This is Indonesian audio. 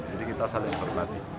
jadi kita saling berkati